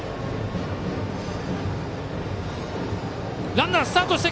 ランナースタート！